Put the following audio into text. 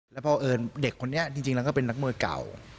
แล้วเพราะเอิญเด็กคนนี้จริงแล้วก็เป็นนักมวยเก่า